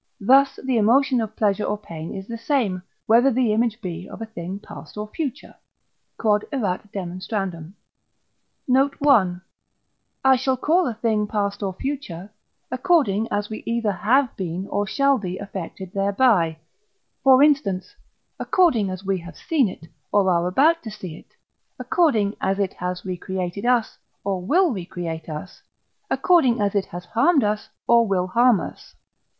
Thus the emotion of pleasure or pain is the same, whether the image be of a thing past or future. Q.E.D. Note I. I call a thing past or future, according as we either have been or shall be affected thereby. For instance, according as we have seen it, or are about to see it, according as it has recreated us, or will recreate us, according as it has harmed us, or will harm us.